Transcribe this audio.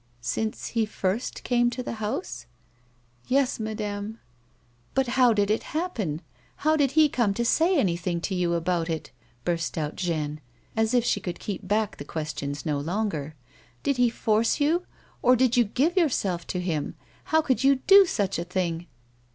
" Since he fii'st came to the house ?"" Yes, madame." "But how did it happen? How did he come to say any thing to you about it 1 " burst out Jeanne, as if she could keep back the questions no longer. " Did he force you, or did you give yourself to him ? How could you do such a thing